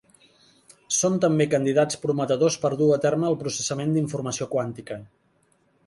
Són també candidats prometedors per dur a terme el processament d'informació quàntica.